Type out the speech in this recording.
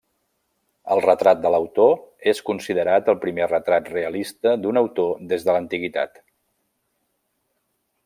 El retrat de l'autor és considerat el primer retrat realista d'un autor des de l'antiguitat.